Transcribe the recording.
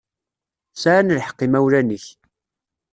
Sɛan lḥeqq yimawlan-ik.